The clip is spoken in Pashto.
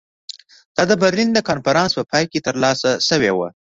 دا د برلین د کنفرانس په پای کې ترلاسه شوې وه.